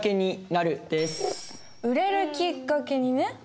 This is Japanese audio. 売れるきっかけにね。